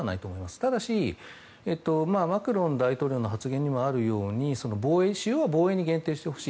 ただし、マクロン大統領の発言にもあるように防衛しよう防衛に限定してほしい。